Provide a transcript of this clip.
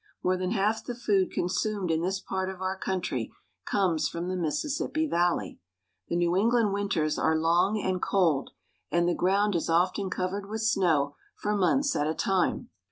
More than half the food consumed in this part of our country comes from the Mississippi Valley. The New England winters are long and cold, and the ground is often covered with snow for months at a time.